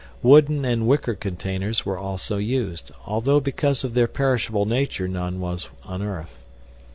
Wooden and wicker containers were also used, although because of their perishable nature none was unearthed.